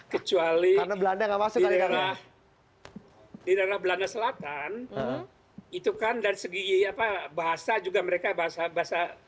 kecuali daerah belanda selatan itu kan dari segi bahasa juga mereka bahasa bahasa